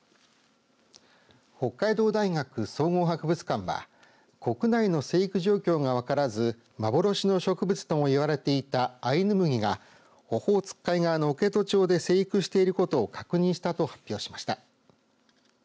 北海道大学総合博物館は国内の生育状況が分からず幻の植物ともいわれていたアイヌムギがオホーツク海側の置戸町で生育していること確認したと発表しました。